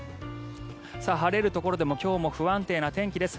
晴れるところでも今日も不安定な天気です。